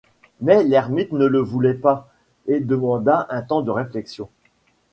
Mais l'ermite ne le voulait pas, et demanda un temps de réflexion.